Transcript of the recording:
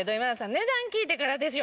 値段聞いてからですよ